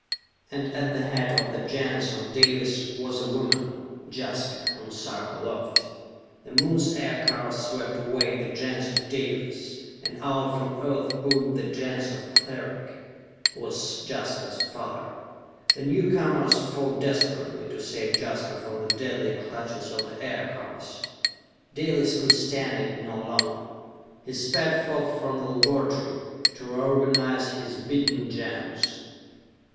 And at the head of the Gens of Dalis was a woman, Jaska, whom Sarka loved. The Moon's aircars swept away the Gens of Dalis, and out from Earth poured the Gens of Cleric, who was Jaska's father. The newcomers fought desperately to save Jaska from the deadly clutches of the aircars. Dalis could stand it no longer. He sped forth from the laboratory, to reorganize his beaten Gens.